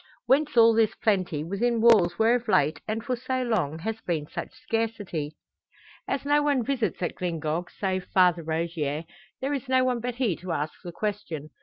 Whence all this plenty, within walls where of late and for so long, has been such scarcity? As no one visits at Glyngog save Father Rogier, there is no one but he to ask the question.